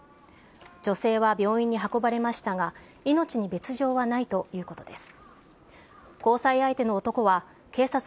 女性は病院に運ばれましたが、命に別状はないということです。